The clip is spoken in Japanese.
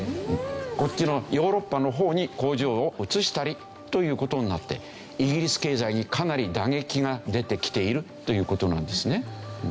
こっちのヨーロッパの方に工場を移したりという事になってイギリス経済にかなり打撃が出てきているという事なんですね。